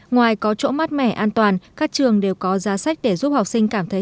ngoài có chỗ mát mẻ an toàn các trường đều có giá sách để giúp học sinh cảm thấy